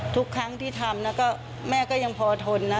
ทุกครั้งที่ทำนะก็แม่ก็ยังพอทนนะ